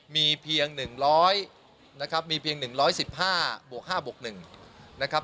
มีเพียง๑๑๕บวก๕บวก๑นะครับ